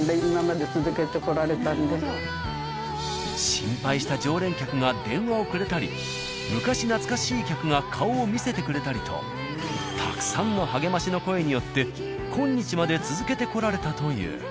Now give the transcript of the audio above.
心配した常連客が電話をくれたり昔懐かしい客が顔を見せてくれたりとたくさんの励ましの声によって今日まで続けてこられたという。